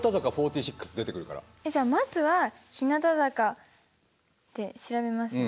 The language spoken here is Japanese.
えっじゃあまずは日向坂で調べますね。